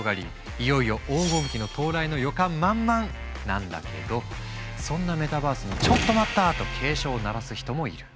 いよいよ黄金期の到来の予感満々なんだけどそんなメタバースにと警鐘を鳴らす人もいる。